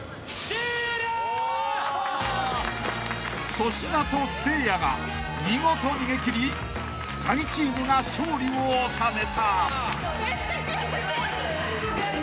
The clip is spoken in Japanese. ［粗品とせいやが見事逃げ切りカギチームが勝利を収めた］